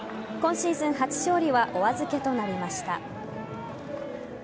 今シーズン初勝利はお預けとなりました。